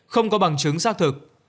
không có bằng chứng xác thực